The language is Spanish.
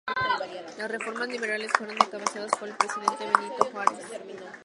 Las reformas liberales fueron encabezadas por el presidente Benito Juárez.